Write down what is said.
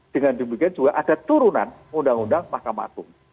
dengan demikian juga ada turunan undang undang mahkamah agung